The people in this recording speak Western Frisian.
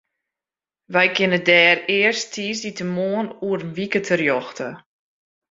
Wy kinne dêr earst tiisdeitemoarn oer in wike terjochte.